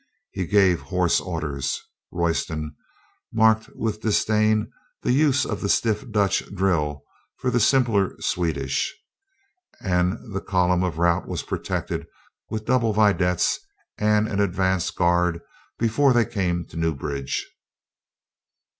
He gave hoarse orders (Roy ston marked with disdain the use of the stiff Dutch drill for the simpler Swedish) and the column of route was protected with double vedettes and an advance guard before they came to Newbridge.